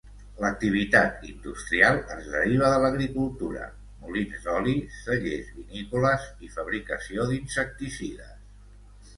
L'activitat industrial es deriva de l'agricultura: molins d'oli, cellers vinícoles i fabricació d'insecticides.